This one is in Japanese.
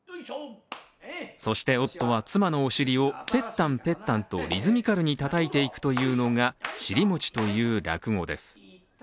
そして夫は妻のお尻をぺったんぺったんとリズミカルにたたいていくというのが「尻餅」という落語です。